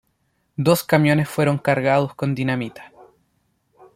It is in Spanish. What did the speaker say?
Dos camiones fueron cargados con dinamita.